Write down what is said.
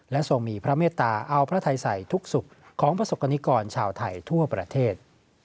ทรงมีพระเมตตาเอาพระไทยสัยทุกสุขของประสบกรณิกรชาวไทยทั่วประเทศ